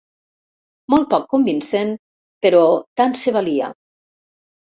Molt poc convincent, però tant se valia.